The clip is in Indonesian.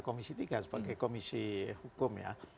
komisi tiga sebagai komisi hukum ya